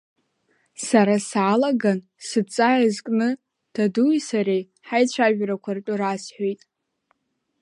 Сара саалаган, сыдҵа иазкны дадуи сареи ҳаицәажәарақәа ртәы расҳәеит.